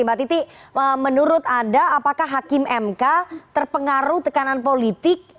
mbak titi menurut anda apakah hakim mk terpengaruh tekanan politik